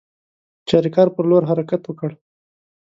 چاریکار پر لور حرکت وکړ.